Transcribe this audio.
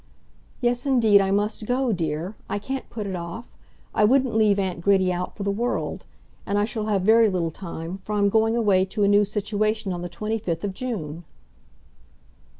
"Yes, indeed I must go, dear; I can't put it off. I wouldn't leave aunt Gritty out for the world. And I shall have very little time, for I'm going away to a new situation on the 25th of June."